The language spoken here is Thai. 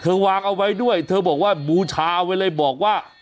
วางเอาไว้ด้วยเธอบอกว่าบูชาเอาไว้เลยบอกว่า